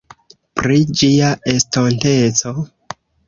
Pri Ĝia estonteco?